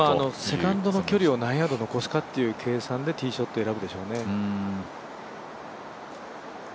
セカンドの距離を何ヤード残すかってところでティーショット選ぶでしょうね。